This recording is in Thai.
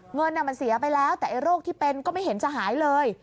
เงินมันเสียไปแล้วแต่ไอ้โรคที่เป็นก็ไม่เห็นจะหายเลย